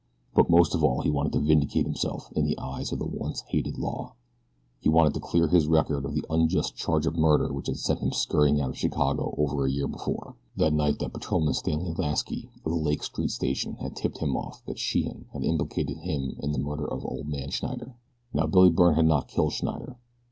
But most of all he wanted to vindicate himself in the eyes of the once hated law. He wanted to clear his record of the unjust charge of murder which had sent him scurrying out of Chicago over a year before, that night that Patrolman Stanley Lasky of the Lake Street Station had tipped him off that Sheehan had implicated him in the murder of old man Schneider. Now Billy Byrne had not killed Schneider.